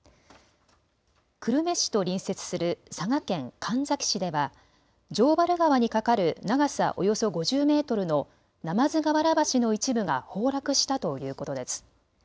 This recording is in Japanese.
久留米市と隣接する佐賀県神埼市では城原川に架かる長さおよそ５０メートルの鯰河原橋の一部が崩落したということです。